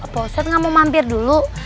opah ustadz gak mau mampir dulu